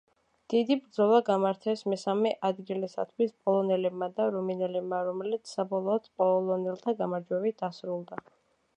დიდი ბრძოლა გამართეს მესამე ადგილისათვის პოლონელებმა და რუმინელებმა, რომელიც საბოლოოდ პოლონელთა გამარჯვებით დასრულდა.